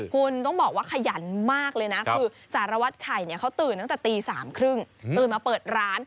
คุณต้องบอกว่าขยันมากเลยนะคือสารวัตรไข่เขาตื่นตั้งแต่ตี๓๓๐ตื่นมาเปิดร้าน